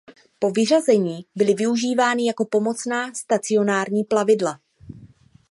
Po vyřazení byly využívány jako pomocná stacionární plavidla.